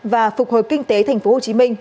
và phục hồi kinh tế tp hcm